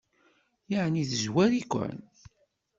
Ɛni tezwar-iken?